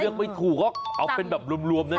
เรื่องไม่ถูกก็เอาเป็นแบบรวมนั่น